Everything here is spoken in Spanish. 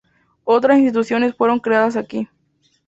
Otras instituciones fueron creadas aquí.